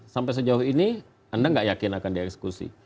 sampai sejauh ini anda nggak yakin akan dieksekusi